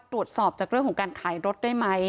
ตรวจสอบจากเรื่องของการขายรถได้ไหม